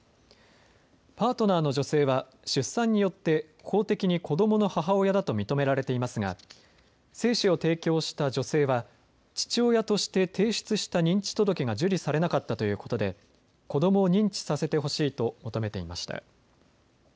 パートナーの女性は出産によって法的に子どもの母親だと認められていますが精子を提供した女性は父親として提出した認知届が受理されなかったということで子どもを認知させてほしいと求めていました。